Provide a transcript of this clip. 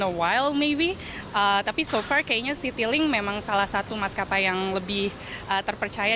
tapi sejauh ini sepertinya citylink memang salah satu maskapai yang lebih terpercaya